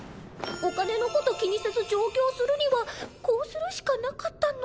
お金のこと気にせず上京するにはこうするしかなかったの。